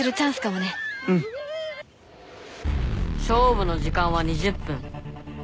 勝負の時間は２０分。